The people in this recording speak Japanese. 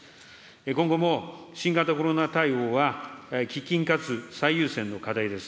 今後も新型コロナ対応は、喫緊かつ最優先の課題です。